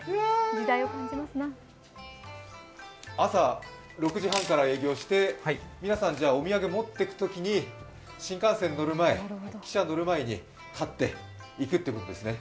朝６時半から営業して皆さん、お土産持っていくときに新幹線に乗る前、汽車に乗る前に買っていくっていうことですね。